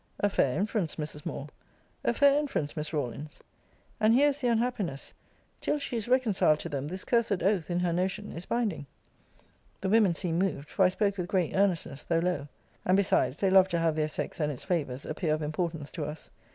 A fair inference, Mrs. Moore! A fair inference, Miss Rawlins. And here is the unhappiness till she is reconciled to them, this cursed oath, in her notion, is binding. The women seemed moved; for I spoke with great earnestness, though low and besides, they love to have their sex, and its favours, appear of importance to us.